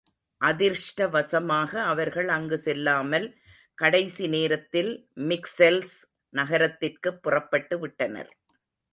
அதிர்ஷ்டவசமாக அவர்கள் அங்கு செல்லாமல், கடைசி நோத்தில் மிக்செல்ஸ் நகரத்திற்குப் புறப்பட்டுவிட்டனர்.